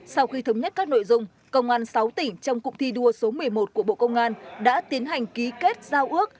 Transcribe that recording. sau khi thống nhất các nội dung công an sáu tỉnh trong cụm thi đua số một mươi một của bộ công an đã tiến hành ký kết giao ước